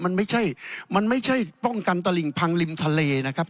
มันไม่ใช่มันไม่ใช่ป้องกันตลิ่งพังริมทะเลนะครับ